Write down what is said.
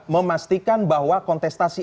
memastikan bahwa kontestasi